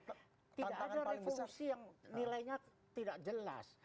tidak ada revolusi yang nilainya tidak jelas